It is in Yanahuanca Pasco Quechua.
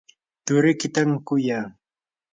turikitam kuyaa.